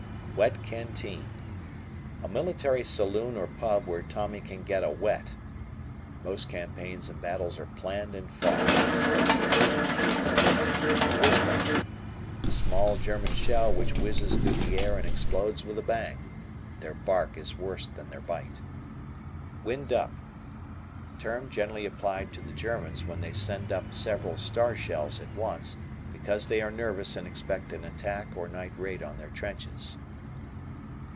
Wet Canteen. A military saloon or pub where Tommy can get a "wet," Most campaigns and battles are planned and fought in these places. "Whizz Bang." A small German shell which whizzes through the air and explodes with a "bang." Their bark is worse than their bite. "Wind up." Term generally applied to the Germans when they send up several star shells at once because they are nervous and expect an attack or night raid on their trenches.